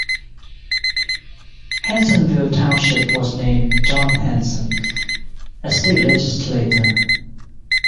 Hansonville Township was named John Hanson, a state legislator.